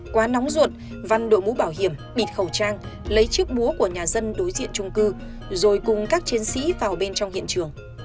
quá nóng ruột văn đội mũ bảo hiểm bịt khẩu trang lấy chiếc búa của nhà dân đối diện trung cư rồi cùng các chiến sĩ vào bên trong hiện trường